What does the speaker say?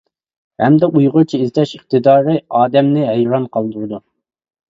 ھەمدە ئۇيغۇرچە ئىزدەش ئىقتىدارى ئادەمنى ھەيران قالدۇرىدۇ.